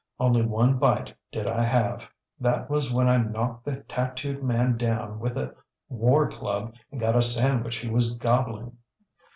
Only one bite did I have. That was when I knocked the tattooed man down with a war club and got a sandwich he was gobbling.